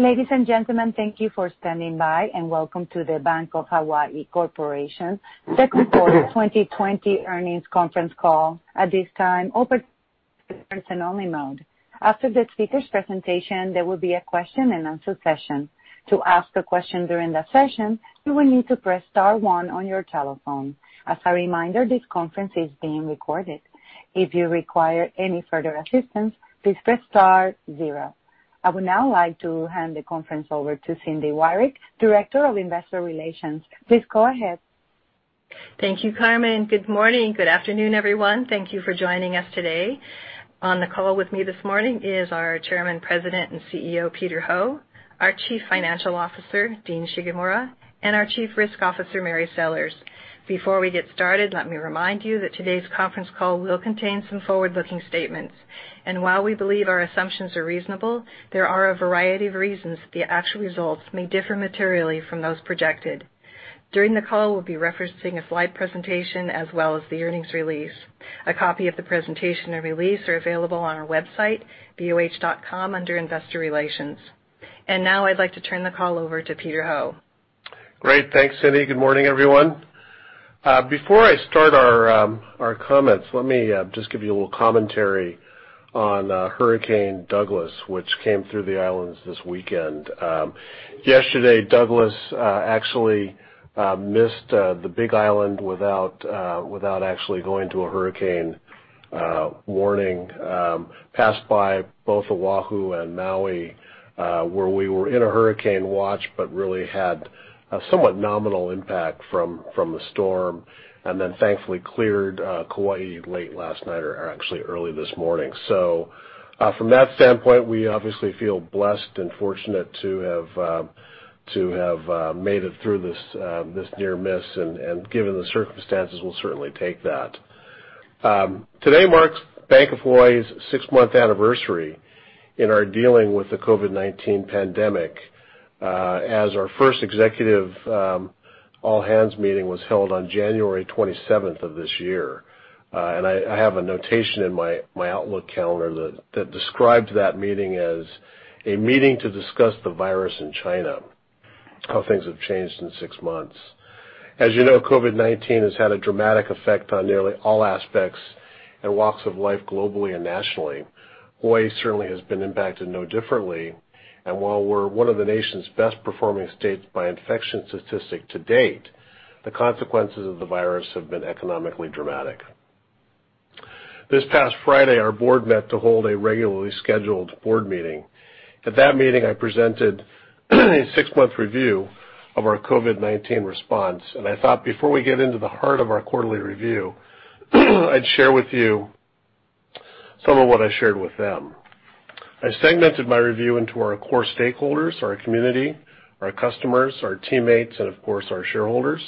Ladies and gentlemen, thank you for standing by, and welcome to the Bank of Hawaii Corporation second quarter 2020 earnings conference call. At this time, operator in listen-only mode. After the speakers' presentation, there will be a question and answer session. To ask a question during that session, you will need to press star one on your telephone. As a reminder, this conference is being recorded. If you require any further assistance, please press star zero. I would now like to hand the conference over to Cindy Wyrick, Director of Investor Relations. Please go ahead. Thank you, Carmen. Good morning. Good afternoon, everyone. Thank you for joining us today. On the call with me this morning is our Chairman, President, and CEO, Peter Ho, our Chief Financial Officer, Dean Shigemura, and our Chief Risk Officer, Mary Sellers. Before we get started, let me remind you that today's conference call will contain some forward-looking statements, and while we believe our assumptions are reasonable, there are a variety of reasons the actual results may differ materially from those projected. During the call, we'll be referencing a slide presentation as well as the earnings release. A copy of the presentation and release are available on our website, boh.com, under Investor Relations. Now I'd like to turn the call over to Peter Ho. Great. Thanks, Cindy. Good morning, everyone. Before I start our comments, let me just give you a little commentary on Hurricane Douglas, which came through the islands this weekend. Yesterday, Douglas actually missed the big island without actually going to a hurricane warning. Passed by both Oahu and Maui, where we were in a hurricane watch, but really had a somewhat nominal impact from the storm, and then thankfully cleared Kauai late last night, or actually early this morning. From that standpoint, we obviously feel blessed and fortunate to have made it through this near miss, and given the circumstances, we'll certainly take that. Today marks Bank of Hawaii's six-month anniversary in our dealing with the COVID-19 pandemic, as our first executive all-hands meeting was held on January 27th of this year. I have a notation in my Outlook calendar that describes that meeting as a meeting to discuss the virus in China. How things have changed in six months. As you know, COVID-19 has had a dramatic effect on nearly all aspects and walks of life globally and nationally. Hawaii certainly has been impacted no differently, and while we're one of the nation's best performing states by infection statistic to date, the consequences of the virus have been economically dramatic. This past Friday, our board met to hold a regularly scheduled board meeting. At that meeting, I presented a six-month review of our COVID-19 response, and I thought before we get into the heart of our quarterly review, I'd share with you some of what I shared with them. I segmented my review into our core stakeholders, our community, our customers, our teammates, and of course, our shareholders.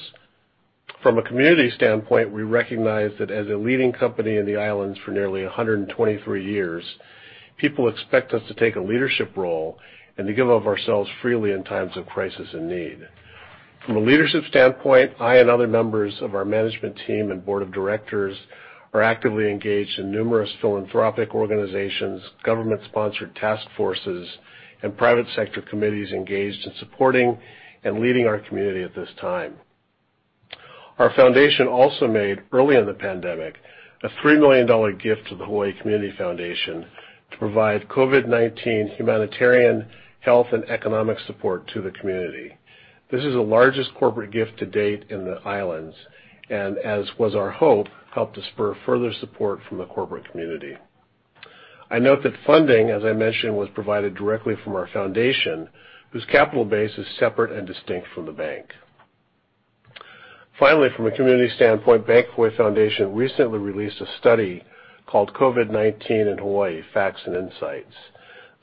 From a community standpoint, we recognize that as a leading company in the islands for nearly 123 years, people expect us to take a leadership role and to give of ourselves freely in times of crisis and need. From a leadership standpoint, I and other members of our management team and board of directors are actively engaged in numerous philanthropic organizations, government-sponsored task forces, and private sector committees engaged in supporting and leading our community at this time. Our foundation also made, early in the pandemic, a $3 million gift to the Hawaii Community Foundation to provide COVID-19 humanitarian, health, and economic support to the community. This is the largest corporate gift to date in the islands, and as was our hope, helped to spur further support from the corporate community. I note that funding, as I mentioned, was provided directly from our foundation, whose capital base is separate and distinct from the bank. Finally, from a community standpoint, Bank of Hawaii Foundation recently released a study called COVID-19 in Hawaii: Facts and Insights.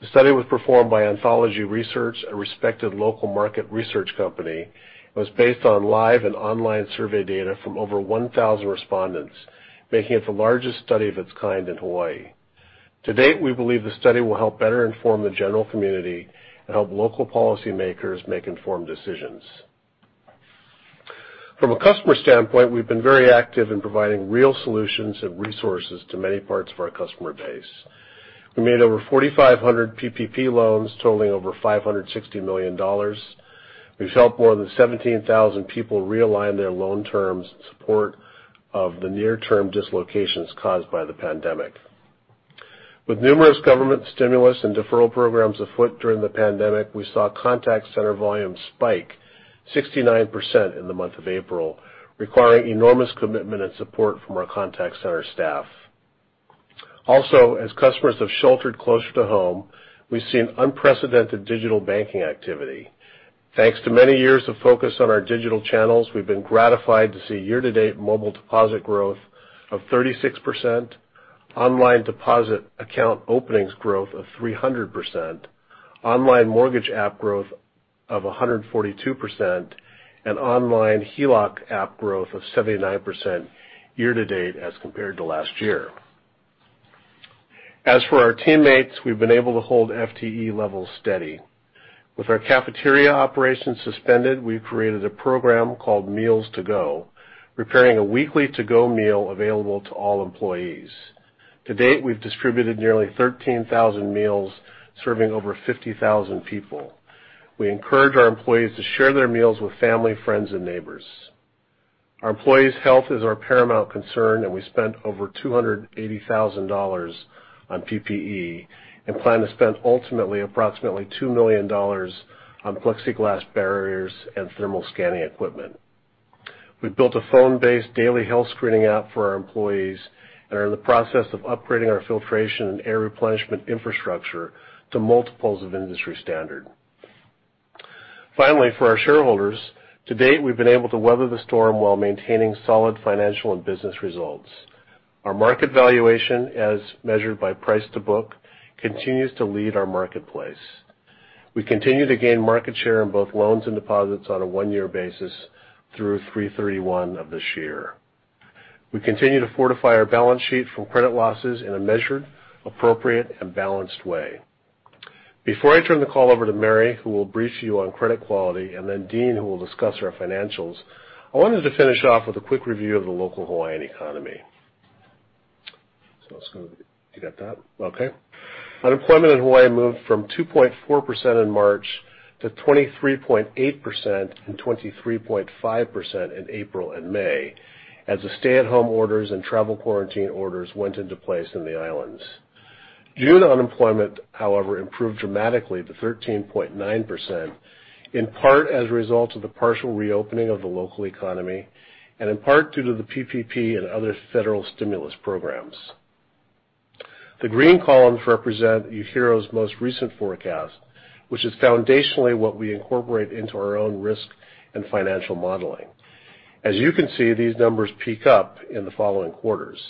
The study was performed by Anthology Research, a respected local market research company. It was based on live and online survey data from over 1,000 respondents, making it the largest study of its kind in Hawaii. To date, we believe the study will help better inform the general community and help local policymakers make informed decisions. From a customer standpoint, we've been very active in providing real solutions and resources to many parts of our customer base. We made over 4,500 PPP loans totaling over $560 million. We've helped more than 17,000 people realign their loan terms in support of the near-term dislocations caused by the pandemic. With numerous government stimulus and deferral programs afoot during the pandemic, we saw contact center volume spike 69% in the month of April, requiring enormous commitment and support from our contact center staff. Also, as customers have sheltered closer to home, we've seen unprecedented digital banking activity. Thanks to many years of focus on our digital channels, we've been gratified to see year-to-date mobile deposit growth of 36%, online deposit account openings growth of 300%, online mortgage app growth of 142%, and online HELOC app growth of 79% year to date as compared to last year. As for our teammates, we've been able to hold FTE levels steady. With our cafeteria operations suspended, we've created a program called Meals to Go, preparing a weekly to-go meal available to all employees. To date, we've distributed nearly 13,000 meals, serving over 50,000 people. We encourage our employees to share their meals with family, friends, and neighbors. Our employees' health is our paramount concern, and we spent over $280,000 on PPE and plan to spend ultimately approximately $2 million on plexiglass barriers and thermal scanning equipment. We've built a phone-based daily health screening app for our employees and are in the process of upgrading our filtration and air replenishment infrastructure to multiples of industry standard. For our shareholders, to date, we've been able to weather the storm while maintaining solid financial and business results. Our market valuation, as measured by price to book, continues to lead our marketplace. We continue to gain market share in both loans and deposits on a one-year basis through 3/31 of this year. We continue to fortify our balance sheet from credit losses in a measured, appropriate, and balanced way. Before I turn the call over to Mary, who will brief you on credit quality, and then Dean, who will discuss our financials, I wanted to finish off with a quick review of the local Hawaiian economy. I'll just go You got that? Okay. Unemployment in Hawaii moved from 2.4% in March to 23.8% and 23.5% in April and May as the stay-at-home orders and travel quarantine orders went into place in the islands. June unemployment, however, improved dramatically to 13.9%, in part as a result of the partial reopening of the local economy, and in part due to the PPP and other federal stimulus programs. The green columns represent UHERO's most recent forecast, which is foundationally what we incorporate into our own risk and financial modeling. As you can see, these numbers peak up in the following quarters.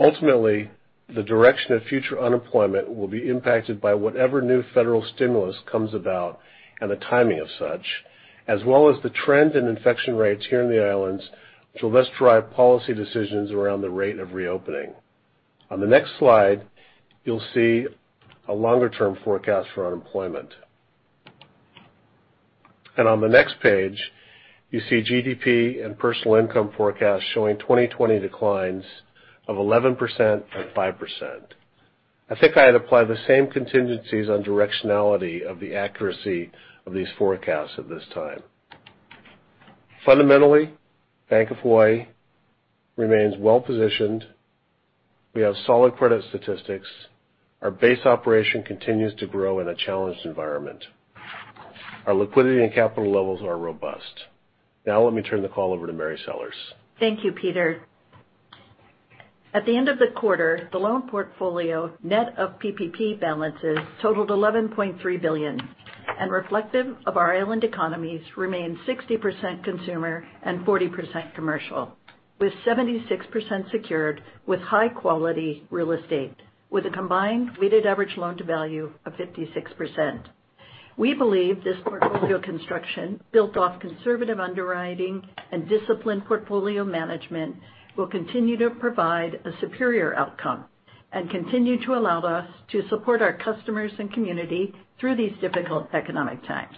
Ultimately, the direction of future unemployment will be impacted by whatever new federal stimulus comes about and the timing of such, as well as the trend in infection rates here in the islands, which will thus drive policy decisions around the rate of reopening. On the next slide, you'll see a longer-term forecast for unemployment. On the next page, you see GDP and personal income forecasts showing 2020 declines of 11% and 5%. I think I'd apply the same contingencies on directionality of the accuracy of these forecasts at this time. Fundamentally, Bank of Hawaii remains well-positioned. We have solid credit statistics. Our base operation continues to grow in a challenged environment. Our liquidity and capital levels are robust. Now let me turn the call over to Mary Sellers. Thank you, Peter. At the end of the quarter, the loan portfolio, net of PPP balances, totaled $11.3 billion. Reflective of our island economies, remained 60% consumer and 40% commercial, with 76% secured with high-quality real estate, with a combined weighted average loan-to-value of 56%. We believe this portfolio construction, built off conservative underwriting and disciplined portfolio management, will continue to provide a superior outcome and continue to allow us to support our customers and community through these difficult economic times.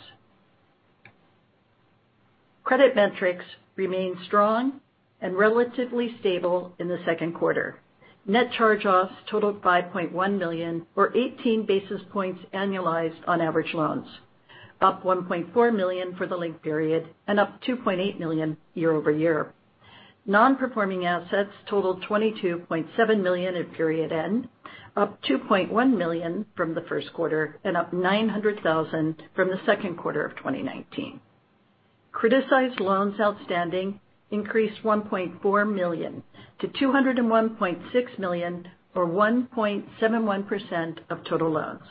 Credit metrics remained strong and relatively stable in the second quarter. Net charge-offs totaled $5.1 million, or 18 basis points annualized on average loans, up $1.4 million for the linked period and up $2.8 million year-over-year. Non-performing assets totaled $22.7 million at period end, up $2.1 million from the first quarter and up $900,000 from the second quarter of 2019. Criticized loans outstanding increased $1.4 million to $201.6 million, or 1.71% of total loans.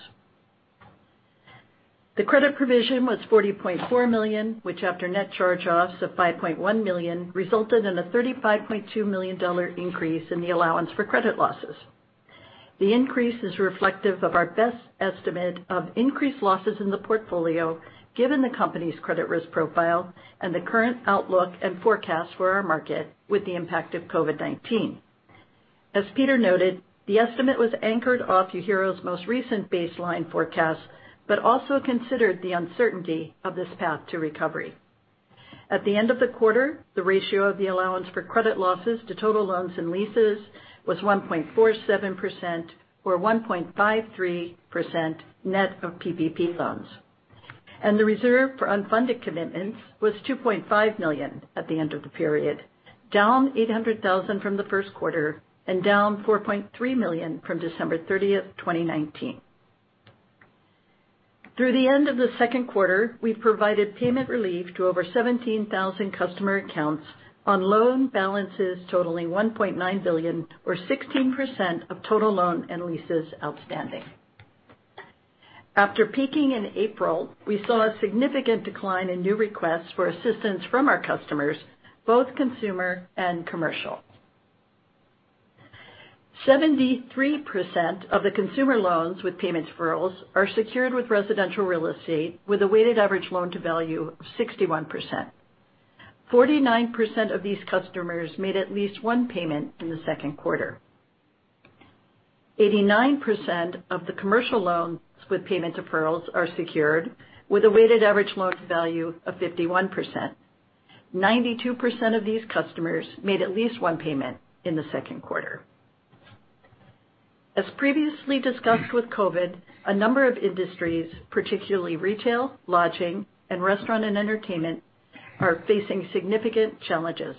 The credit provision was $40.4 million, which after net charge-offs of $5.1 million, resulted in a $35.2 million increase in the allowance for credit losses. The increase is reflective of our best estimate of increased losses in the portfolio, given the company's credit risk profile and the current outlook and forecast for our market with the impact of COVID-19. As Peter noted, the estimate was anchored off UHERO's most recent baseline forecast but also considered the uncertainty of this path to recovery. At the end of the quarter, the ratio of the allowance for credit losses to total loans and leases was 1.47%, or 1.53% net of PPP loans. The reserve for unfunded commitments was $2.5 million at the end of the period, down $800,000 from the first quarter and down $4.3 million from December 30th, 2019. Through the end of the second quarter, we've provided payment relief to over 17,000 customer accounts on loan balances totaling $1.9 billion, or 16% of total loan and leases outstanding. After peaking in April, we saw a significant decline in new requests for assistance from our customers, both consumer and commercial. 73% of the consumer loans with payment deferrals are secured with residential real estate, with a weighted average loan-to-value of 61%. 49% of these customers made at least one payment in the second quarter. 89% of the commercial loans with payment deferrals are secured, with a weighted average loan-to-value of 51%. 92% of these customers made at least one payment in the second quarter. As previously discussed with COVID-19, a number of industries, particularly retail, lodging, and restaurant and entertainment, are facing significant challenges.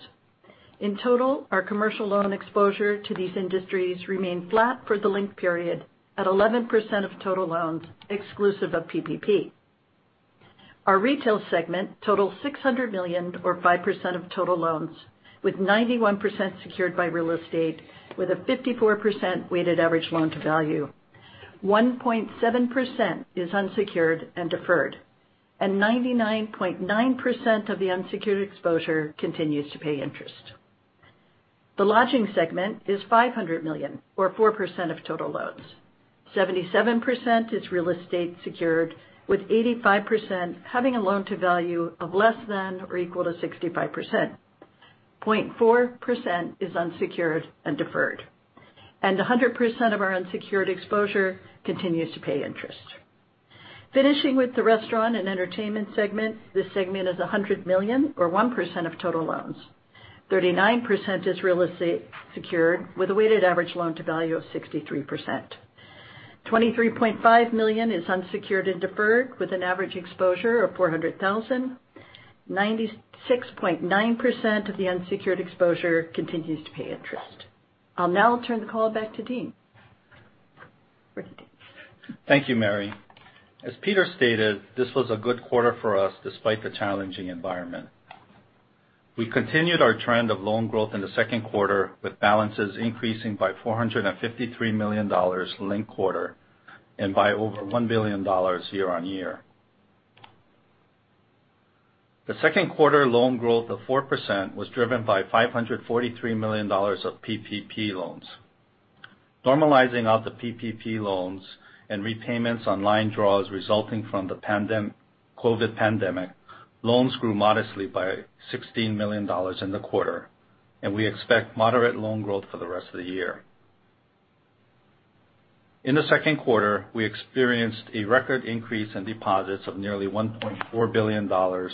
In total, our commercial loan exposure to these industries remained flat for the linked period at 11% of total loans, exclusive of PPP. Our retail segment totals $600 million or 5% of total loans, with 91% secured by real estate, with a 54% weighted average loan to value. 1.7% is unsecured and deferred, and 99.9% of the unsecured exposure continues to pay interest. The lodging segment is $500 million or 4% of total loans. 77% is real estate secured, with 85% having a loan to value of less than or equal to 65%. 0.4% is unsecured and deferred, and 100% of our unsecured exposure continues to pay interest. Finishing with the restaurant and entertainment segment, this segment is $100 million or 1% of total loans. 39% is real estate secured with a weighted average loan to value of 63%. $23.5 million is unsecured and deferred, with an average exposure of $400,000. 96.9% of the unsecured exposure continues to pay interest. I'll now turn the call back to Dean. uncertain. Thank you, Mary. As Peter stated, this was a good quarter for us despite the challenging environment. We continued our trend of loan growth in the second quarter, with balances increasing by $453 million linked quarter and by over $1 billion year-over-year. The second quarter loan growth of 4% was driven by $543 million of PPP loans. Normalizing out the PPP loans and repayments on line draws resulting from the COVID pandemic, loans grew modestly by $16 million in the quarter, and we expect moderate loan growth for the rest of the year. In the second quarter, we experienced a record increase in deposits of nearly $1.4 billion or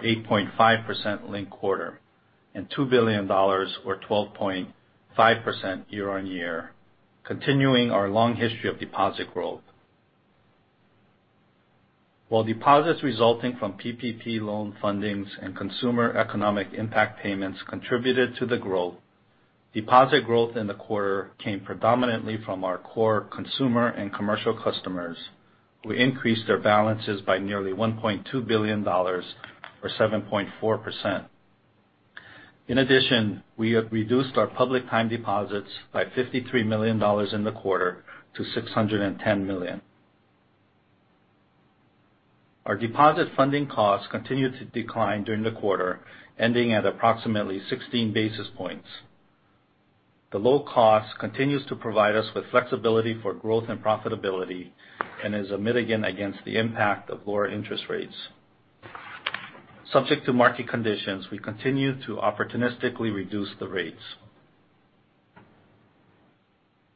8.5% linked quarter, and $2 billion or 12.5% year-over-year, continuing our long history of deposit growth. While deposits resulting from PPP loan fundings and consumer economic impact payments contributed to the growth, deposit growth in the quarter came predominantly from our core consumer and commercial customers, who increased their balances by nearly $1.2 billion or 7.4%. In addition, we have reduced our public time deposits by $53 million in the quarter to $610 million. Our deposit funding costs continued to decline during the quarter, ending at approximately 16 basis points. The low cost continues to provide us with flexibility for growth and profitability and is a mitigant against the impact of lower interest rates. Subject to market conditions, we continue to opportunistically reduce the rates.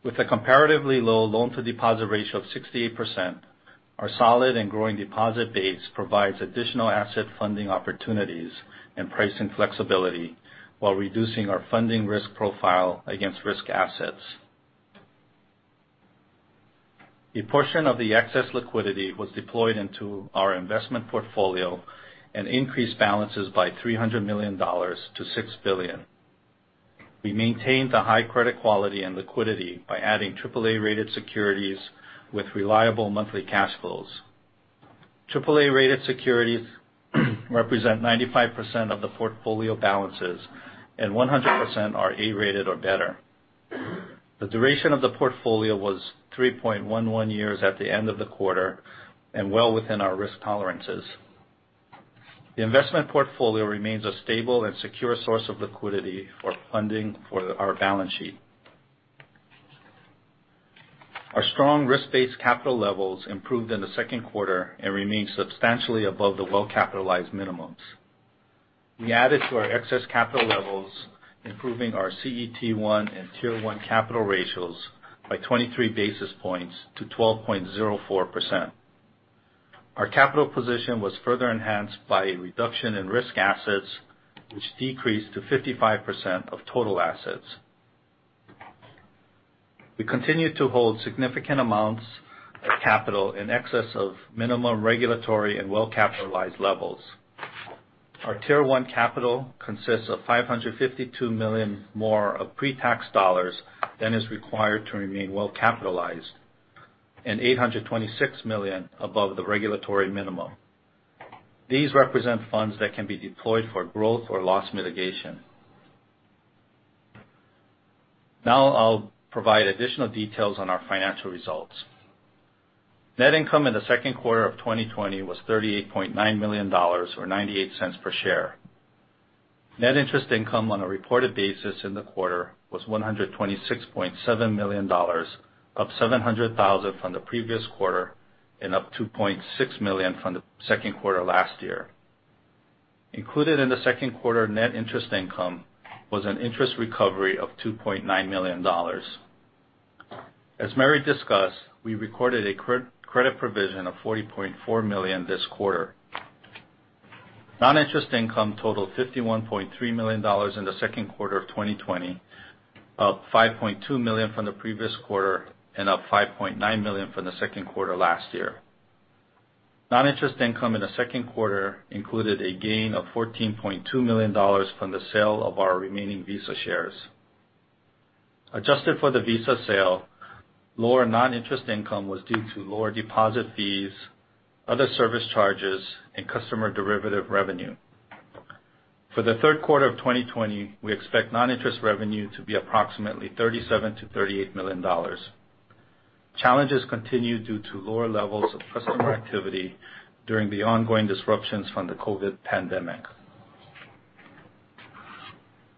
With a comparatively low loan-to-deposit ratio of 68%, our solid and growing deposit base provides additional asset funding opportunities and pricing flexibility while reducing our funding risk profile against risk assets. A portion of the excess liquidity was deployed into our investment portfolio and increased balances by $300 million-$6 billion. We maintained the high credit quality and liquidity by adding AAA-rated securities with reliable monthly cash flows. AAA-rated securities represent 95% of the portfolio balances and 100% are A-rated or better. The duration of the portfolio was 3.11 years at the end of the quarter and well within our risk tolerances. The investment portfolio remains a stable and secure source of liquidity for funding for our balance sheet. Our strong risk-based capital levels improved in the second quarter and remain substantially above the well-capitalized minimums. We added to our excess capital levels, improving our CET1 and Tier 1 capital ratios by 23 basis points to 12.04%. Our capital position was further enhanced by a reduction in risk assets, which decreased to 55% of total assets. We continue to hold significant amounts of capital in excess of minimum regulatory and well-capitalized levels. Our Tier 1 capital consists of $552 million more of pre-tax dollars than is required to remain well capitalized and $826 million above the regulatory minimum. These represent funds that can be deployed for growth or loss mitigation. I'll provide additional details on our financial results. Net income in the second quarter of 2020 was $38.9 million, or $0.98 per share. Net interest income on a reported basis in the quarter was $126.7 million, up $700,000 from the previous quarter and up $2.6 million from the second quarter last year. Included in the second quarter net interest income was an interest recovery of $2.9 million. As Mary discussed, we recorded a credit provision of $40.4 million this quarter. Non-interest income totaled $51.3 million in the second quarter of 2020, up $5.2 million from the previous quarter, and up $5.9 million from the second quarter last year. Non-interest income in the second quarter included a gain of $14.2 million from the sale of our remaining Visa shares. Adjusted for the Visa sale, lower non-interest income was due to lower deposit fees, other service charges, and customer derivative revenue. For the third quarter of 2020, we expect non-interest revenue to be approximately $37 million-$38 million. Challenges continue due to lower levels of customer activity during the ongoing disruptions from the COVID-19 pandemic.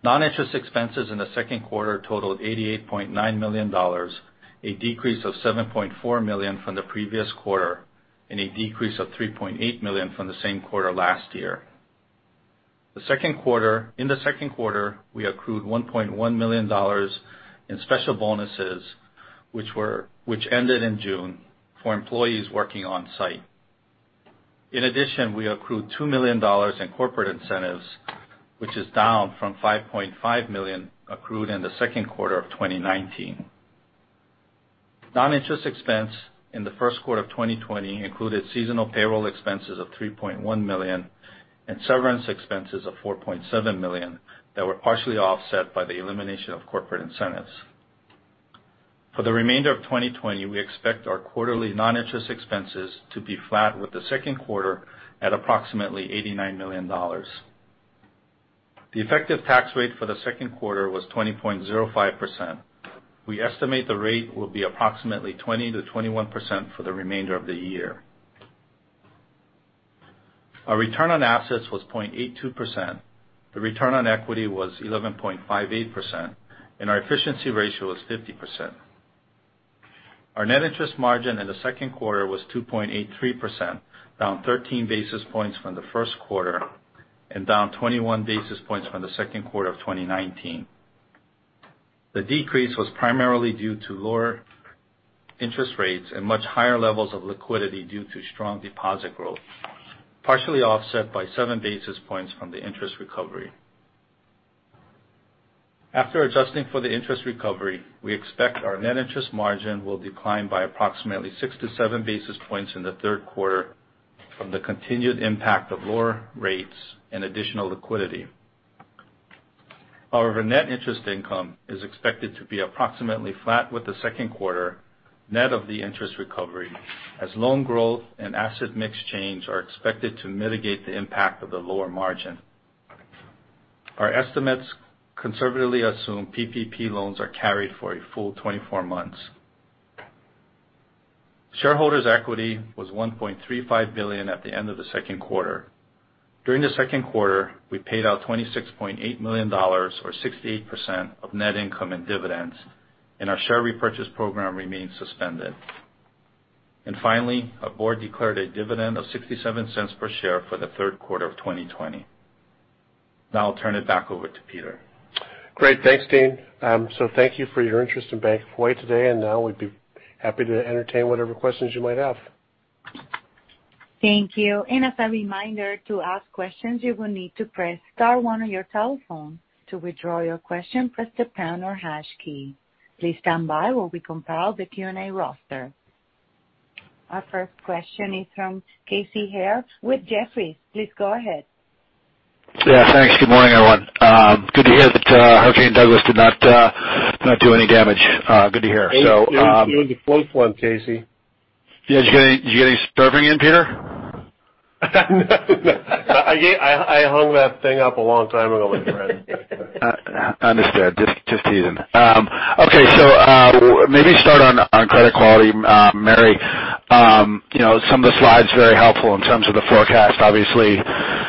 Non-interest expenses in the second quarter totaled $88.9 million, a decrease of $7.4 million from the previous quarter, and a decrease of $3.8 million from the same quarter last year. In the second quarter, we accrued $1.1 million in special bonuses, which ended in June, for employees working on site. In addition, we accrued $2 million in corporate incentives, which is down from $5.5 million accrued in the second quarter of 2019. Non-interest expense in the first quarter of 2020 included seasonal payroll expenses of $3.1 million and severance expenses of $4.7 million that were partially offset by the elimination of corporate incentives. For the remainder of 2020, we expect our quarterly non-interest expenses to be flat with the second quarter at approximately $89 million. The effective tax rate for the second quarter was 20.05%. We estimate the rate will be approximately 20%-21% for the remainder of the year. Our return on assets was 0.82%. The return on equity was 11.58%, and our efficiency ratio was 50%. Our net interest margin in the second quarter was 2.83%, down 13 basis points from the first quarter, and down 21 basis points from the second quarter of 2019. The decrease was primarily due to lower interest rates and much higher levels of liquidity due to strong deposit growth, partially offset by seven basis points from the interest recovery. After adjusting for the interest recovery, we expect our net interest margin will decline by approximately six to seven basis points in the third quarter from the continued impact of lower rates and additional liquidity. However, net interest income is expected to be approximately flat with the second quarter net of the interest recovery, as loan growth and asset mix change are expected to mitigate the impact of the lower margin. Our estimates conservatively assume PPP loans are carried for a full 24 months. Shareholders' equity was $1.35 billion at the end of the second quarter. During the second quarter, we paid out $26.8 million, or 68% of net income in dividends, and our share repurchase program remains suspended. Finally, our board declared a dividend of $0.67 per share for the third quarter of 2020. Now I'll turn it back over to Peter. Great. Thanks, Dean. Thank you for your interest in Bank of Hawaii today, and now we'd be happy to entertain whatever questions you might have. Thank you. As a reminder, to ask questions, you will need to press star one on your telephone. To withdraw your question, press the pound or hash key. Please stand by while we compile the Q&A roster. Our first question is from Casey Haire with Jefferies. Please go ahead. Yeah, thanks. Good morning, everyone. Good to hear that Hurricane Douglas did not do any damage. Good to hear. You're in the close one, Casey. Yeah. Did you get any surfing in, Peter? No. I hung that thing up a long time ago, my friend. Understood. Just teasing. Okay. Maybe start on credit quality, Mary. Some of the slides, very helpful in terms of the forecast. Obviously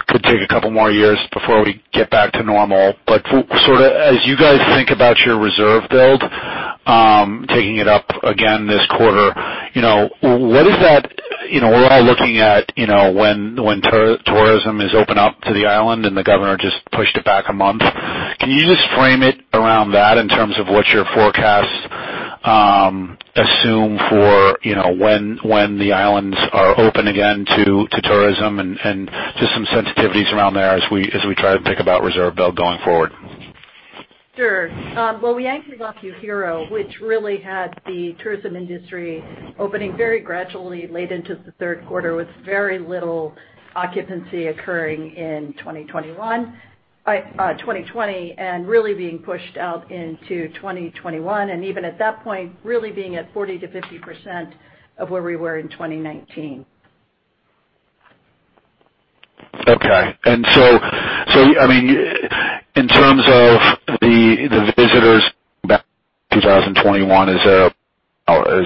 could take a couple more years before we get back to normal, but as you guys think about your reserve build, taking it up again this quarter, we're all looking at when tourism is open up to the island and the governor just pushed it back a month. Can you just frame it around that in terms of what your forecasts assume for when the islands are open again to tourism and just some sensitivities around there as we try to think about reserve build going forward? Sure. Well, we anchored off UHERO, which really had the tourism industry opening very gradually late into the third quarter with very little occupancy occurring in 2020, really being pushed out into 2021. Even at that point, really being at 40%-50% of where we were in 2019. Okay. In terms of the visitors back in 2021, does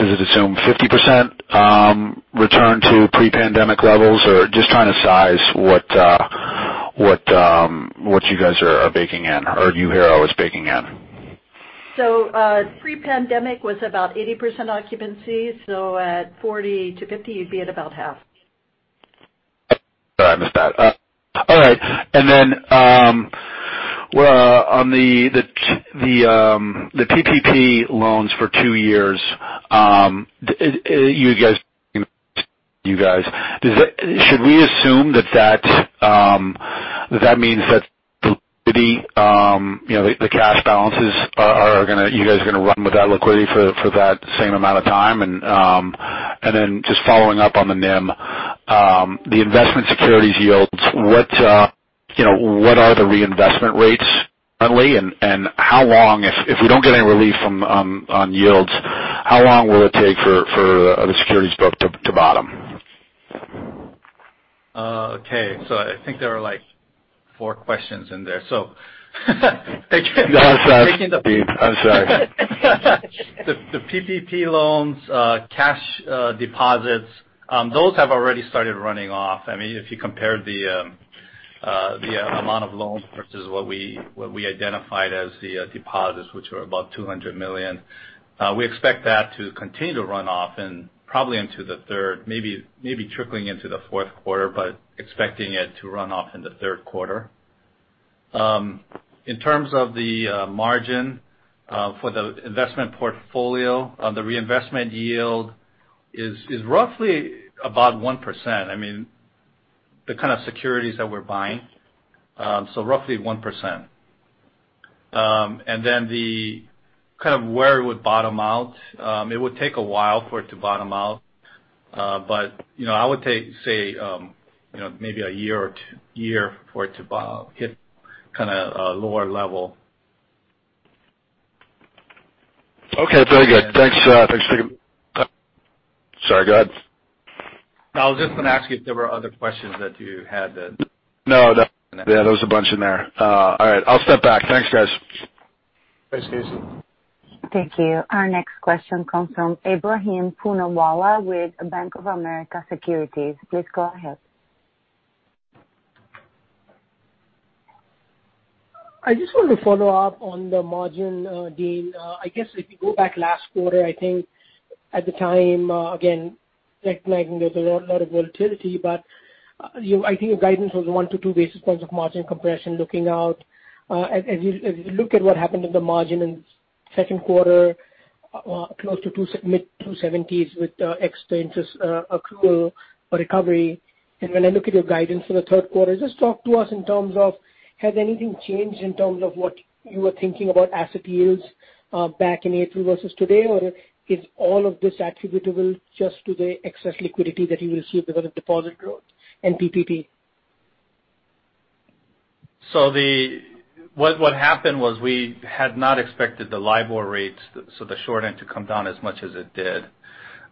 it assume 50% return to pre-pandemic levels, just trying to size what you guys are baking in, or UHERO is baking in? pre-pandemic was about 80% occupancy. At 40%-50%, you'd be at about half. Sorry, I missed that. All right. On the PPP loans for two years, you guys. Should we assume that means that the cash balances, you guys are going to run with that liquidity for that same amount of time? Just following up on the NIM, the investment securities yields, what are the reinvestment rates currently? If we don't get any relief on yields, how long will it take for the securities book to bottom? Okay. I think there are four questions in there. Thank you. No, I'm sorry. I'm sorry. The PPP loans, cash deposits, those have already started running off. If you compare the amount of loans versus what we identified as the deposits, which were about $200 million. We expect that to continue to run off and probably into the third, maybe trickling into the fourth quarter, but expecting it to run off in the third quarter. In terms of the margin for the investment portfolio, the reinvestment yield is roughly about 1%, the kind of securities that we're buying. Roughly 1%. Where it would bottom out, it would take a while for it to bottom out. I would say maybe a year for it to hit a lower level. Okay. Very good. Thanks. Sorry, go ahead. No, I was just going to ask you if there were other questions that you had then. No. There was a bunch in there. All right. I'll step back. Thanks, guys. Thanks, Casey. Thank you. Our next question comes from Ebrahim Poonawala with Bank of America Securities. Please go ahead. I just wanted to follow up on the margin, Dean. I guess if you go back last quarter, I think at the time, again, recognizing there's a lot of volatility, but I think your guidance was one to two basis points of margin compression looking out. As you look at what happened in the margin in second quarter, close to mid 270s with expenses accrual recovery. When I look at your guidance for the third quarter, just talk to us in terms of has anything changed in terms of what you were thinking about asset yields back in Q3 versus today? Is all of this attributable just to the excess liquidity that you will see because of deposit growth and PPP? What happened was we had not expected the LIBOR rates, so the short end to come down as much as it did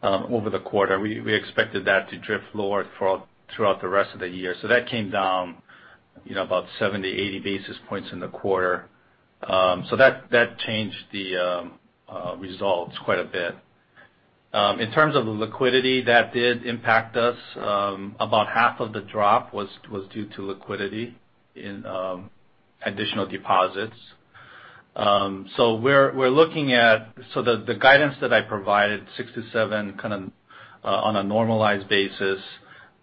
over the quarter. We expected that to drift lower throughout the rest of the year. That came down about 70-80 basis points in the quarter. That changed the results quite a bit. In terms of the liquidity, that did impact us. About half of the drop was due to liquidity in additional deposits. The guidance that I provided, six to seven on a normalized basis,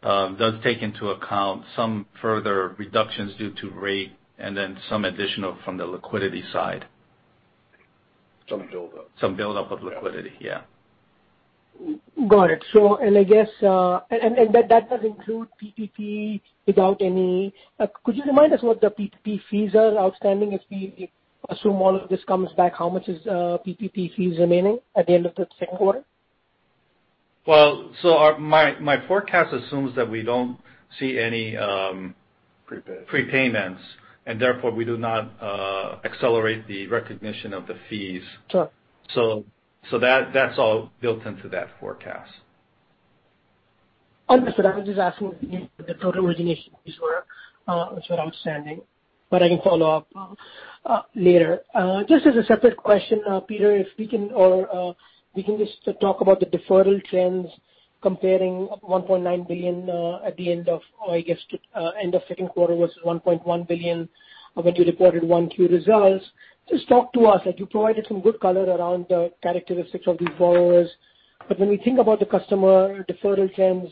does take into account some further reductions due to rate and then some additional from the liquidity side. Some build up. Some build up of liquidity. Yeah. Got it. That does include PPP. Could you remind us what the PPP fees are outstanding? If we assume all of this comes back, how much is PPP fees remaining at the end of the second quarter? Well, my forecast assumes that we don't see. Prepayments prepayments, and therefore we do not accelerate the recognition of the fees. Sure. That's all built into that forecast. Understood. I was just asking what the total origination fees were, which are outstanding. I can follow up later. Just as a separate question, Peter, if we can just talk about the deferral trends comparing $1.9 billion at the end of second quarter versus $1.1 billion when you reported 1Q results. Just talk to us, you provided some good color around the characteristics of these borrowers. When we think about the customer deferral trends,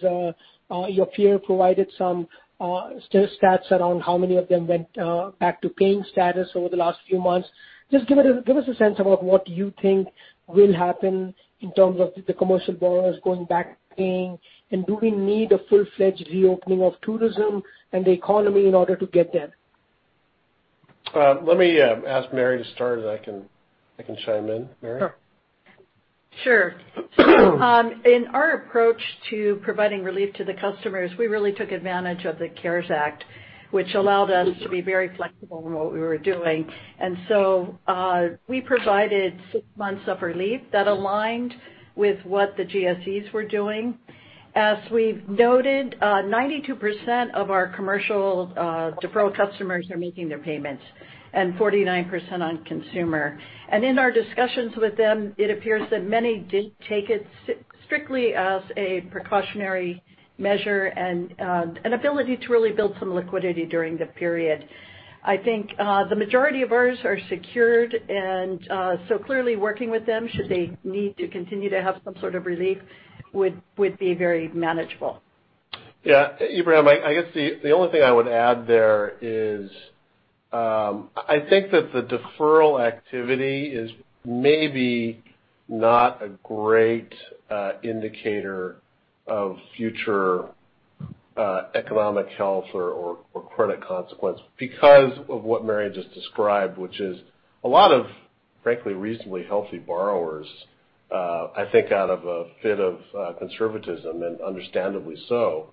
your peer provided some stats around how many of them went back to paying status over the last few months. Just give us a sense about what you think will happen in terms of the commercial borrowers going back to paying, and do we need a full-fledged reopening of tourism and the economy in order to get there? Let me ask Mary to start, and I can chime in. Mary? Sure. In our approach to providing relief to the customers, we really took advantage of the CARES Act, which allowed us to be very flexible in what we were doing. We provided six months of relief that aligned with what the GSEs were doing. As we've noted, 92% of our commercial deferral customers are making their payments, and 49% on consumer. In our discussions with them, it appears that many did take it strictly as a precautionary measure and an ability to really build some liquidity during the period. I think the majority of ours are secured, and so clearly working with them, should they need to continue to have some sort of relief, would be very manageable. Ebrahim, I guess the only thing I would add there is, I think that the deferral activity is maybe not a great indicator of future economic health or credit consequence because of what Mary just described, which is a lot of, frankly, reasonably healthy borrowers, I think out of a fit of conservatism, and understandably so,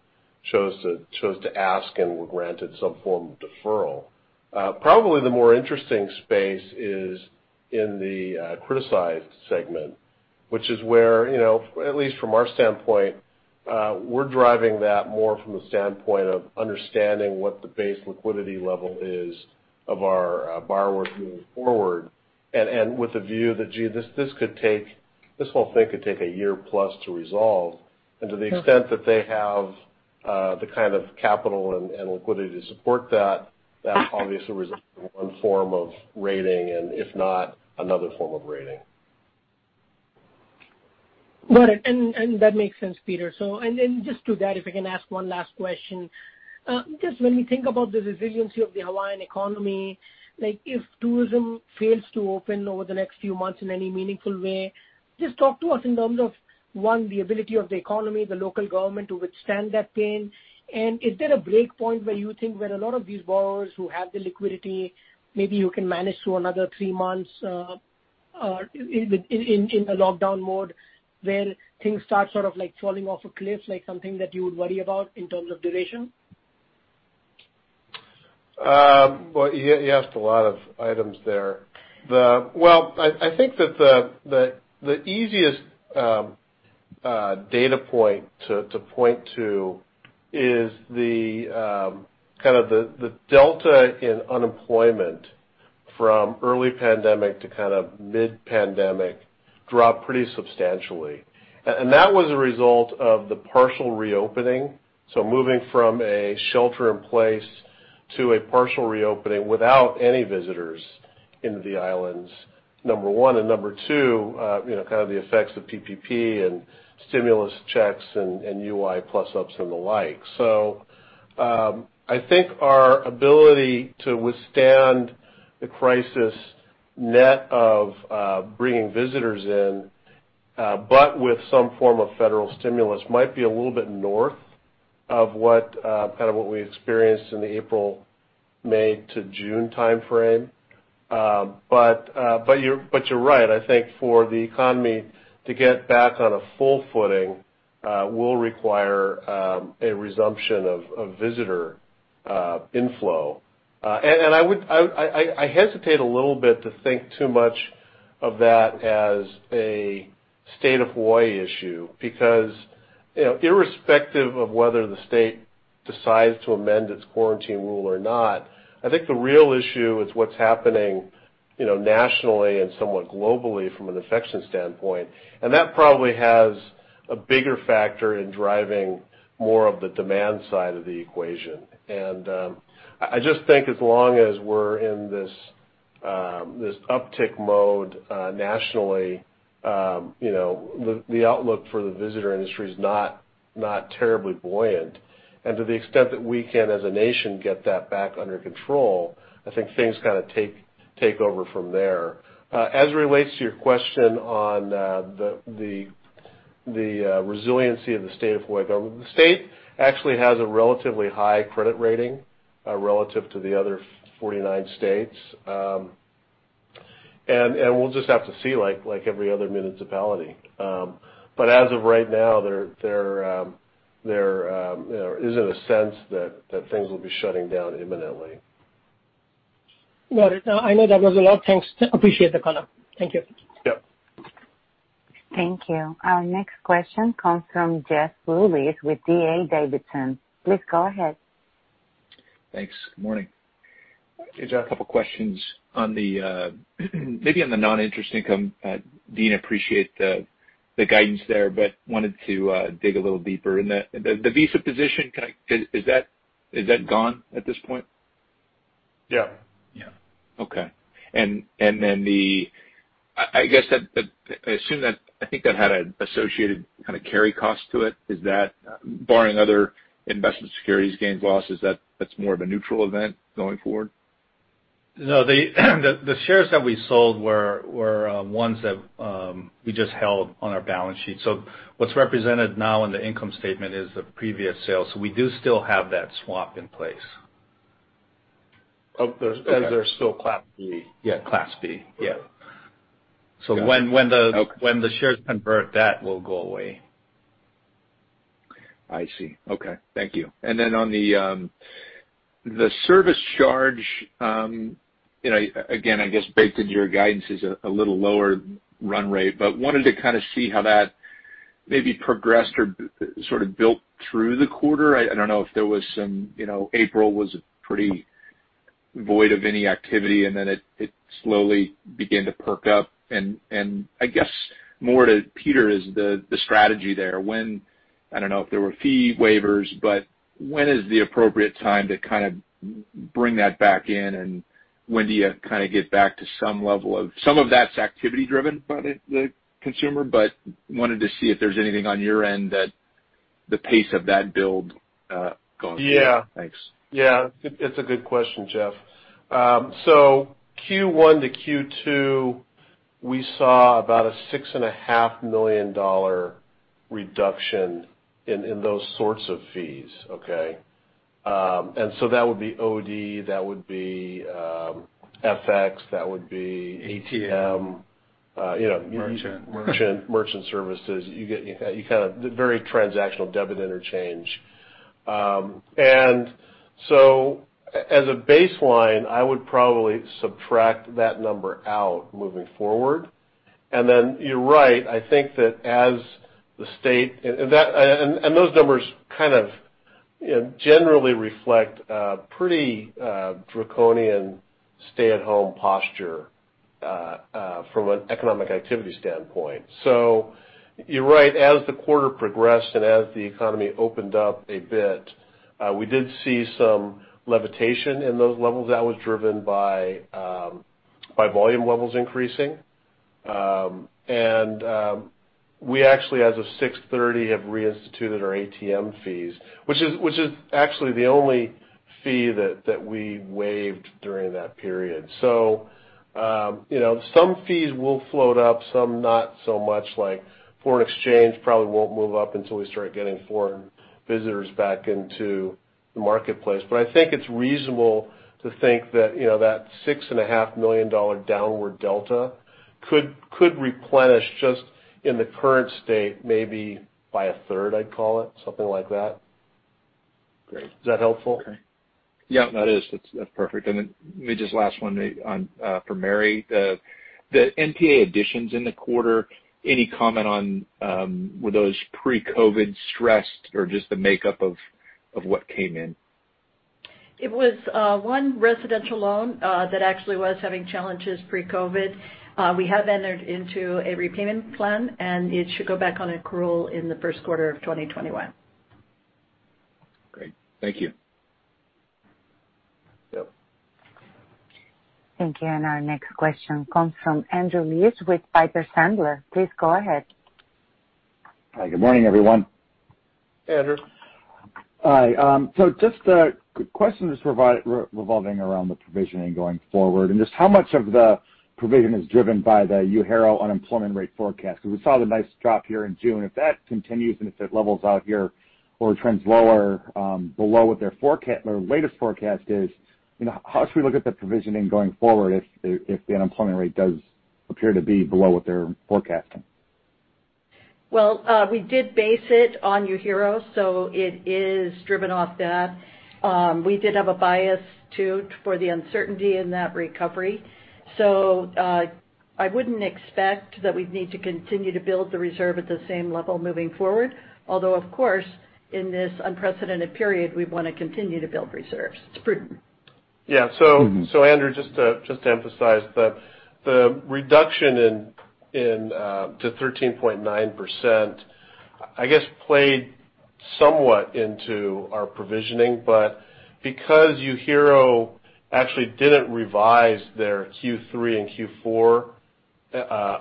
chose to ask and were granted some form of deferral. Probably the more interesting space is in the criticized segment, which is where, at least from our standpoint, we're driving that more from the standpoint of understanding what the base liquidity level is of our borrowers moving forward, and with a view that, gee, this whole thing could take a year plus to resolve. To the extent that they have the kind of capital and liquidity to support that obviously results in one form of rating, and if not, another form of rating. Got it. That makes sense, Peter. Just to that, if I can ask one last question. Just when we think about the resiliency of the Hawaiian economy, if tourism fails to open over the next few months in any meaningful way, just talk to us in terms of, one, the ability of the economy, the local government to withstand that pain. Is there a break point where you think where a lot of these borrowers who have the liquidity, maybe you can manage through another three months in a lockdown mode where things start sort of falling off a cliff, like something that you would worry about in terms of duration? Well, you asked a lot of items there. I think that the easiest data point to point to is the delta in unemployment from early pandemic to mid-pandemic dropped pretty substantially. That was a result of the partial reopening. Moving from a shelter in place to a partial reopening without any visitors into the islands, number one, and number two, kind of the effects of PPP and stimulus checks and UI plus-ups and the like. I think our ability to withstand the crisis net of bringing visitors in, but with some form of federal stimulus, might be a little bit north of what we experienced in the April, May to June timeframe. You're right. I think for the economy to get back on a full footing will require a resumption of visitor inflow. I hesitate a little bit to think too much of that as a State of Hawaii issue, because irrespective of whether the state decides to amend its quarantine rule or not, I think the real issue is what's happening nationally and somewhat globally from an infection standpoint. That probably has a bigger factor in driving more of the demand side of the equation. I just think as long as we're in this uptick mode nationally, the outlook for the visitor industry is not terribly buoyant. To the extent that we can, as a nation, get that back under control, I think things kind of take over from there. As it relates to your question on the resiliency of the State of Hawaii government, the state actually has a relatively high credit rating relative to the other 49 states. We'll just have to see, like every other municipality. As of right now, there isn't a sense that things will be shutting down imminently. Got it. I know that was a lot. Thanks. Appreciate the color. Thank you. Yep. Thank you. Our next question comes from Jeffrey Rulis with D.A. Davidson. Please go ahead. Thanks. Good morning. Hey, John, a couple questions on the maybe on the noninterest income. Dean, appreciate the guidance there, but wanted to dig a little deeper. The Visa position, is that gone at this point? Yeah. Yeah. Okay. I think that had an associated kind of carry cost to it. Is that, barring other investment securities gains, losses, that's more of a neutral event going forward? No. The shares that we sold were ones that we just held on our balance sheet. What's represented now in the income statement is the previous sale. We do still have that swap in place. As they're still Class B. Yeah, Class B. Yeah. When the shares convert, that will go away. I see. Okay. Thank you. On the service charge, again, I guess baked into your guidance is a little lower run rate, wanted to kind of see how that maybe progressed or sort of built through the quarter. I don't know if there was some, April was a pretty void of any activity, it slowly began to perk up. I guess more to Peter is the strategy there. I don't know if there were fee waivers, when is the appropriate time to kind of bring that back in, and when do you kind of get back to some level of, some of that's activity driven by the consumer, wanted to see if there's anything on your end that the pace of that build going forward. Yeah. Thanks. Yeah. It's a good question, Jeff. Q1 to Q2, we saw about a $6.5 million reduction in those sorts of fees. Okay. That would be OD, that would be FX, that would be ATM. ATM merchant services. The very transactional debit interchange. As a baseline, I would probably subtract that number out moving forward. You're right, I think that those numbers kind of generally reflect a pretty draconian stay-at-home posture from an economic activity standpoint. You're right. As the quarter progressed and as the economy opened up a bit, we did see some levitation in those levels that was driven by volume levels increasing. We actually, as of 6/30, have reinstituted our ATM fees, which is actually the only fee that we waived during that period. Some fees will float up, some not so much. Like foreign exchange probably won't move up until we start getting foreign visitors back into the marketplace. I think it's reasonable to think that $6.5 million downward delta could replenish just in the current state, maybe by a third, I'd call it, something like that. Great. Is that helpful? Okay. Yeah, that is. That's perfect. Then maybe just last one for Mary. The NPA additions in the quarter, any comment on were those pre-COVID stressed or just the makeup of what came in? It was one residential loan that actually was having challenges pre-COVID. We have entered into a repayment plan, and it should go back on accrual in the first quarter of 2021. Great. Thank you. Yep. Thank you. Our next question comes from Andrew Liesch with Piper Sandler. Please go ahead. Hi. Good morning, everyone. Hey, Andrew. Hi. Just a question just revolving around the provisioning going forward, and just how much of the provision is driven by the UHERO unemployment rate forecast? Because we saw the nice drop here in June. If that continues and if it levels out here or trends lower, below what their latest forecast is, how should we look at the provisioning going forward if the unemployment rate does appear to be below what they're forecasting? We did base it on UHERO, so it is driven off that. We did have a bias, too, for the uncertainty in that recovery. I wouldn't expect that we'd need to continue to build the reserve at the same level moving forward. Of course, in this unprecedented period, we'd want to continue to build reserves. It's prudent. So Andrew Liesch, just to emphasize, the reduction to 13.9%, I guess, played somewhat into our provisioning. Because UHERO actually didn't revise their Q3 and Q4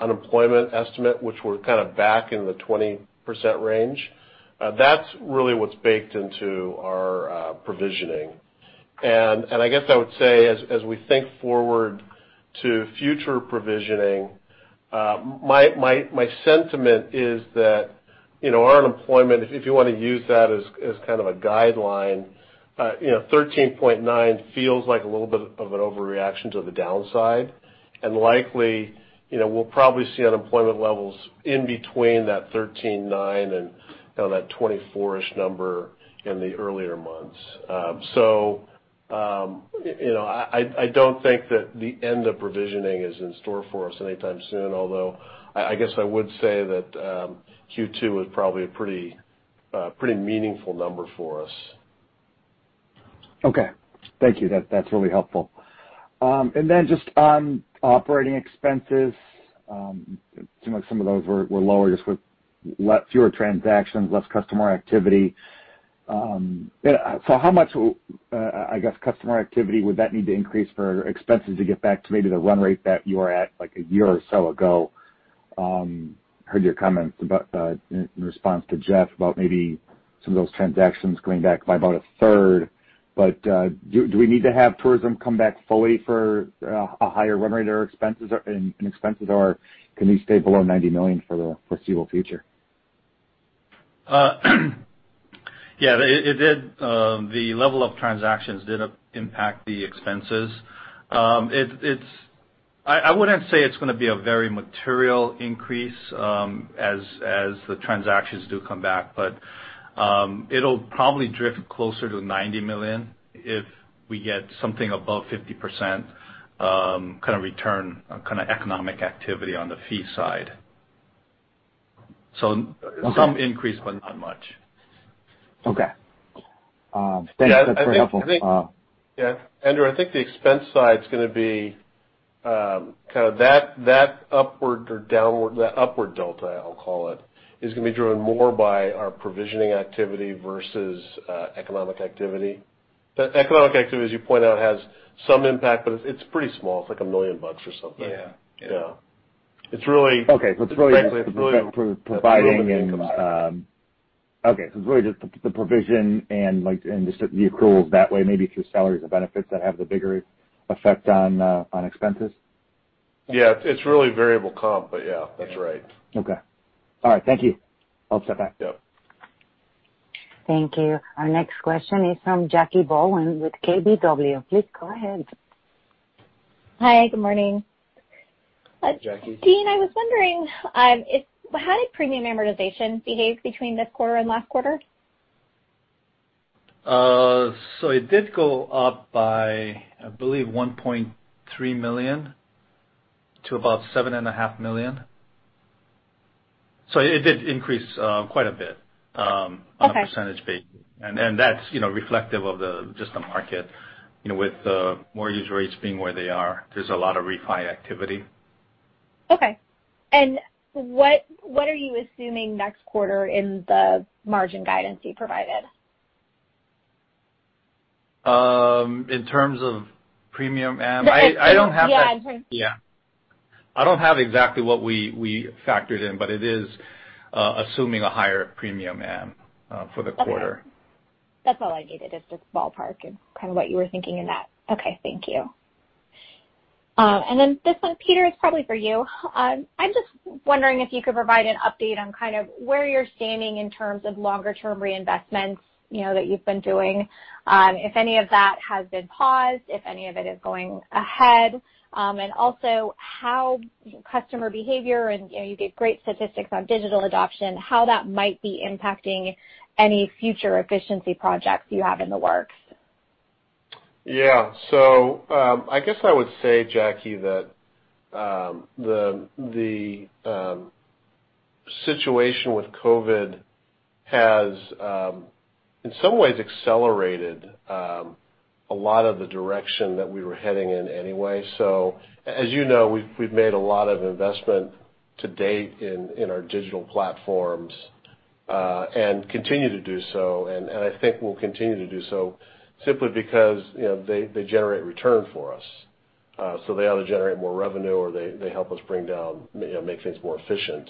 unemployment estimate, which were kind of back in the 20% range, that's really what's baked into our provisioning. I guess I would say as we think forward to future provisioning, my sentiment is that our unemployment, if you want to use that as kind of a guideline, 13.9 feels like a little bit of an overreaction to the downside. Likely, we'll probably see unemployment levels in between that 13.9 and that 24-ish number in the earlier months. I don't think that the end of provisioning is in store for us anytime soon, although I guess I would say that Q2 was probably a pretty meaningful number for us. Okay. Thank you. That's really helpful. Just on operating expenses, it seemed like some of those were lower just with fewer transactions, less customer activity. How much customer activity would that need to increase for expenses to get back to maybe the run rate that you were at like a year or so ago? Heard your comments in response to Jeff about maybe some of those transactions coming back by about a third. Do we need to have tourism come back fully for a higher run rate in expenses, or can we stay below $90 million for the foreseeable future? Yeah. The level of transactions did impact the expenses. I wouldn't say it's going to be a very material increase as the transactions do come back, but it'll probably drift closer to $90 million if we get something above 50% kind of return, kind of economic activity on the fee side. Some increase, but not much. Okay. Thanks. That's very helpful. Yeah, Andrew, I think the expense side is going to be kind of that upward or downward, that upward delta, I'll call it, is going to be driven more by our provisioning activity versus economic activity. The economic activity, as you point out, has some impact, but it's pretty small. It's like $1 million or something. Yeah. Yeah. Okay. Frankly, it's really- providing okay, it's really just the provision and just the accruals that way, maybe through salaries and benefits that have the bigger effect on expenses? Yeah. It's really variable comp, but yeah, that's right. Okay. All right. Thank you. I'll step back. Yep. Thank you. Our next question is from Jackie Bohlen with KBW. Please go ahead. Hi. Good morning. Hi, Jackie. Dean, I was wondering, how did premium amortization behave between this quarter and last quarter? It did go up by, I believe, $1.3 million to about $7.5 million. It did increase quite a bit. Okay on a percentage basis. That's reflective of just the market. With the mortgage rates being where they are, there's a lot of refi activity. Okay. What are you assuming next quarter in the margin guidance you provided? In terms of premium, I don't have that. Yeah. Yeah. I don't have exactly what we factored in, but it is assuming a higher premium for the quarter. Okay. That's all I needed is just a ballpark and kind of what you were thinking in that. Okay. Thank you. This one, Peter, it's probably for you. I'm just wondering if you could provide an update on kind of where you're standing in terms of longer term reinvestments that you've been doing. If any of that has been paused, if any of it is going ahead. Also how customer behavior, and you gave great statistics on digital adoption, how that might be impacting any future efficiency projects you have in the works. Yeah. I guess I would say, Jackie Bohlen, that the situation with COVID-19 has in some ways accelerated a lot of the direction that we were heading in anyway. As you know, we've made a lot of investment to date in our digital platforms, and continue to do so. I think we'll continue to do so simply because they generate return for us. They either generate more revenue or they help us make things more efficient.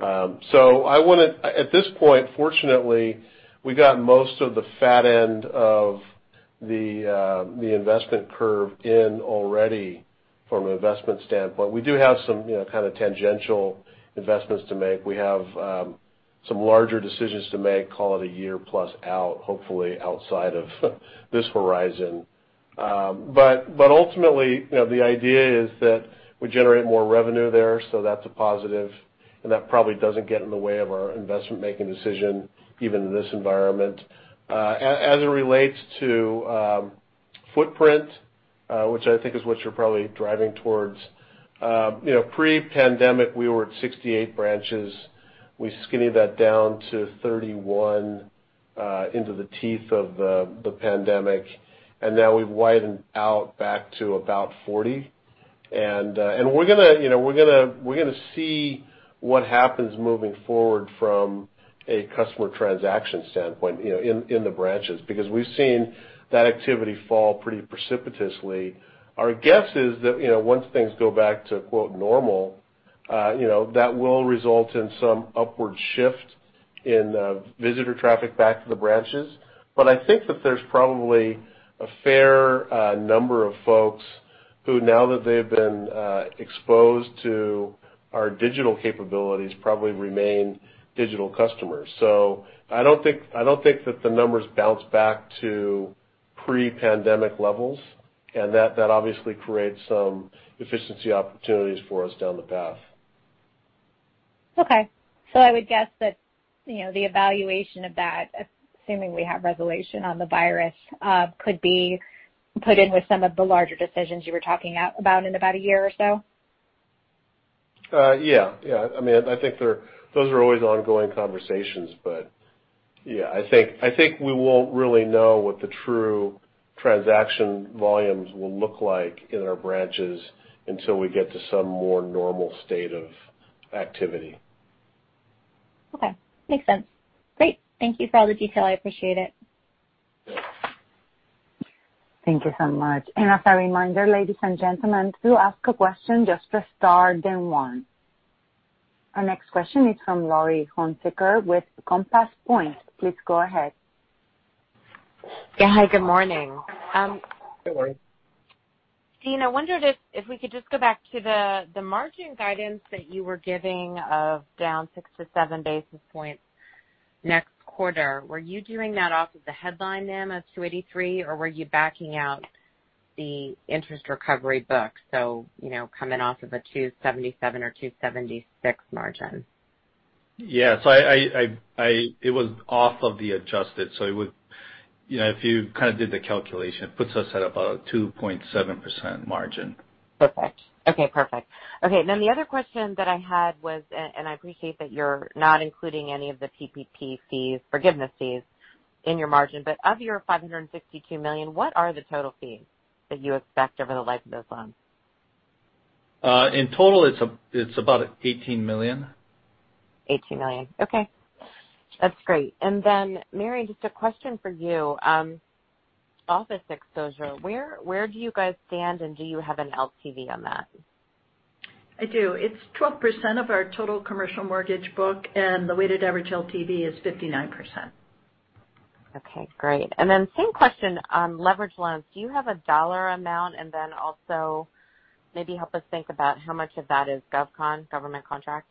At this point, fortunately, we got most of the fat end of the investment curve in already from an investment standpoint. We do have some kind of tangential investments to make. We have some larger decisions to make, call it a year plus out, hopefully outside of this horizon. Ultimately, the idea is that we generate more revenue there, so that's a positive, and that probably doesn't get in the way of our investment-making decision, even in this environment. As it relates to footprint, which I think is what you're probably driving towards. Pre-pandemic, we were at 68 branches. We skinny that down to 31 into the teeth of the pandemic, and now we've widened out back to about 40. We're going to see what happens moving forward from a customer transaction standpoint in the branches, because we've seen that activity fall pretty precipitously. Our guess is that once things go back to quote "normal," that will result in some upward shift in visitor traffic back to the branches. I think that there's probably a fair number of folks who now that they've been exposed to our digital capabilities, probably remain digital customers. I don't think that the numbers bounce back to pre-pandemic levels, and that obviously creates some efficiency opportunities for us down the path. Okay. I would guess that the evaluation of that, assuming we have resolution on the virus, could be put in with some of the larger decisions you were talking about in about a year or so? Yeah. I think those are always ongoing conversations. Yeah, I think we won't really know what the true transaction volumes will look like in our branches until we get to some more normal state of activity. Okay. Makes sense. Great. Thank you for all the detail. I appreciate it. Yeah. Thank you so much. As a reminder, ladies and gentlemen, to ask a question, just press star then one. Our next question is from Laurie Hunsicker with Compass Point. Please go ahead. Yeah. Hi, good morning. Hey, Laurie. Dean, I wondered if we could just go back to the margin guidance that you were giving of down six to seven basis points next quarter. Were you doing that off of the headline then of 283, or were you backing out the interest recovery book, coming off of a 277 or 276 margin? Yeah. It was off of the adjusted. If you did the calculation, it puts us at about a 2.7% margin. Perfect. Okay. The other question that I had was. I appreciate that you're not including any of the PPP forgiveness fees in your margin. Of your $562 million, what are the total fees that you expect over the life of those loans? In total, it's about $18 million. $18 million. Okay. That's great. Mary, just a question for you. Office exposure, where do you guys stand, and do you have an LTV on that? I do. It's 12% of our total commercial mortgage book, and the weighted average LTV is 59%. Okay, great. Then same question on leverage loans. Do you have a dollar amount? Then also maybe help us think about how much of that is GovCon, government contract.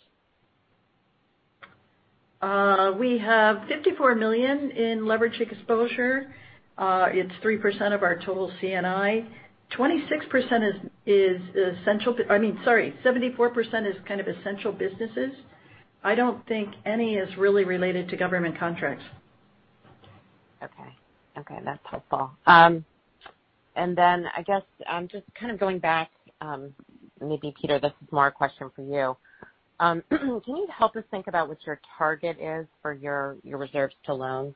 We have $54 million in leveraged exposure. It's 3% of our total C&I. 26% is I mean, sorry, 74% is kind of essential businesses. I don't think any is really related to government contracts. Okay. That's helpful. Then I guess just kind of going back, maybe, Peter, this is more a question for you. Can you help us think about what your target is for your reserves to loans?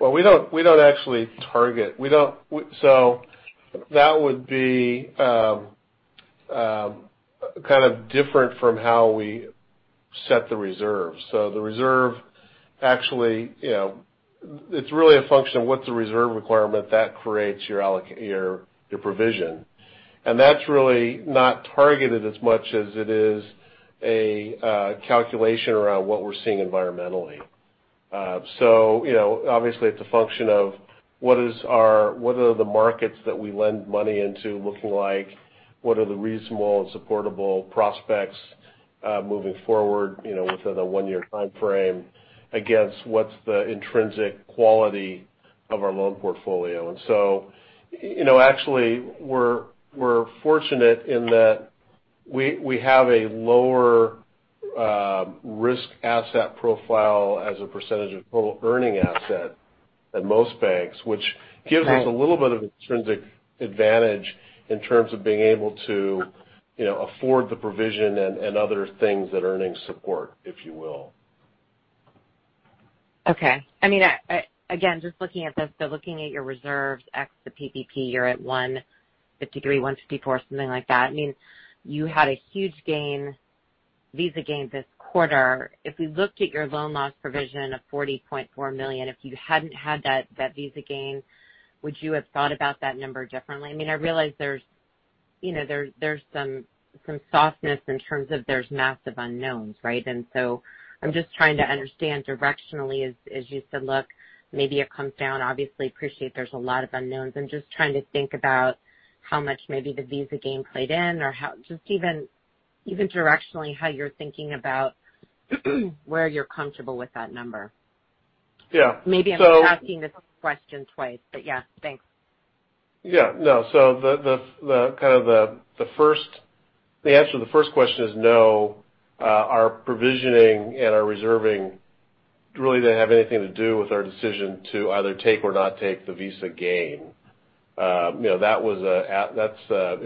Well, we don't actually target. That would be kind of different from how we set the reserve. The reserve, actually, it's really a function of what the reserve requirement that creates your provision. That's really not targeted as much as it is a calculation around what we're seeing environmentally. Obviously, it's a function of what are the markets that we lend money into looking like? What are the reasonable and supportable prospects moving forward within a one-year timeframe against what's the intrinsic quality of our loan portfolio. Actually, we're fortunate in that we have a lower risk asset profile as a percentage of total earning asset than most banks, which gives us a little bit of intrinsic advantage in terms of being able to afford the provision and other things that earnings support, if you will. Okay. Again, just looking at this, but looking at your reserves ex the PPP, you're at 153, 154, something like that. You had a huge Visa gain this quarter. If we looked at your loan loss provision of $40.4 million, if you hadn't had that Visa gain, would you have thought about that number differently? I realize there's some softness in terms of there's massive unknowns, right? I'm just trying to understand directionally, as you said, look, maybe it comes down. I obviously appreciate there's a lot of unknowns. I'm just trying to think about how much maybe the Visa gain played in or just even directionally how you're thinking about where you're comfortable with that number. Yeah. Maybe I'm asking this question twice, but yeah, thanks. Yeah. No. The answer to the first question is no. Our provisioning and our reserving really didn't have anything to do with our decision to either take or not take the Visa gain. That's an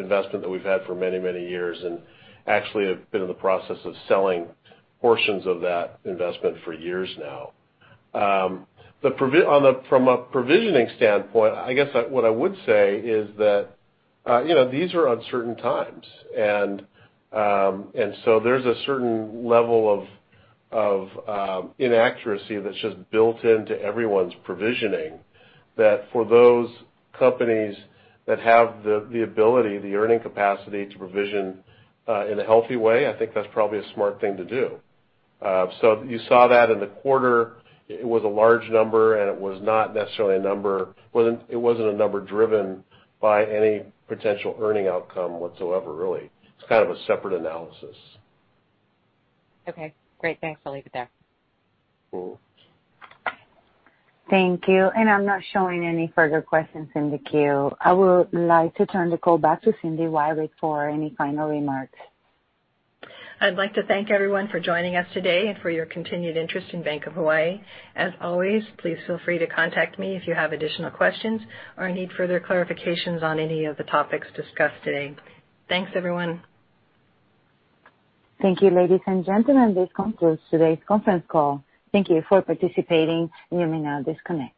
investment that we've had for many, many years, and actually have been in the process of selling portions of that investment for years now. From a provisioning standpoint, I guess what I would say is that these are uncertain times, there's a certain level of inaccuracy that's just built into everyone's provisioning. For those companies that have the ability, the earning capacity to provision in a healthy way, I think that's probably a smart thing to do. You saw that in the quarter. It was a large number, it wasn't a number driven by any potential earning outcome whatsoever, really. It's kind of a separate analysis. Okay, great. Thanks. I'll leave it there. Cool. Thank you. I'm not showing any further questions in the queue. I would like to turn the call back to Cindy Wyrick for any final remarks. I'd like to thank everyone for joining us today and for your continued interest in Bank of Hawaii. As always, please feel free to contact me if you have additional questions or need further clarifications on any of the topics discussed today. Thanks, everyone. Thank you, ladies and gentlemen. This concludes today's conference call. Thank you for participating. You may now disconnect.